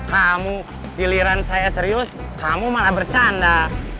kamu giliran saya serius kamu malah bercanda